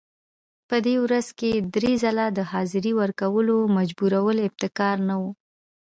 په ورځ کې درې ځله د حاضرۍ ورکولو مجبورول ابتکار نه و.